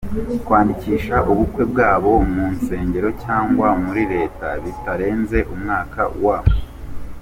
kwandikisha ubukwe bwabo mu nsengero cyangwa muri Leta bitarenze umwaka wa.